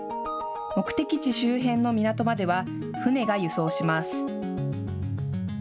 目的地周辺の港までは船が輸送します。